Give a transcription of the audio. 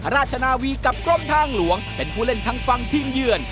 ราชนาวีกับกรมทางหลวงเป็นผู้เล่นทางฝั่งทีมเยือน